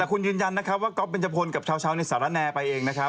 แต่คุณยืนยันนะคะว่าก๊อบเปัญ้าโพนกับเชาและแสลต์แนร์ไปเองนะครับ